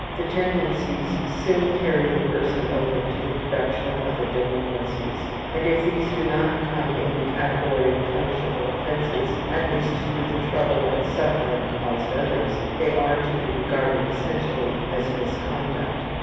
The tendencies soon carry the person over to the production of other delinquencies, and if these do not come in the category of punishable offenses, at least, through the trouble and suffering caused others, they are to be regarded essentially as misconduct.